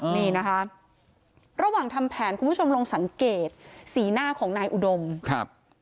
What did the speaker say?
นี่นะคะระหว่างทำแผนคุณผู้ชมลองสังเกตสีหน้าของนายอุดมครับ